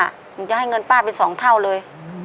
ป้าหนูจะให้เงินป้าเป็นสองเท่าเลย